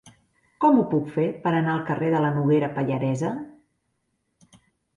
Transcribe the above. Com ho puc fer per anar al carrer de la Noguera Pallaresa?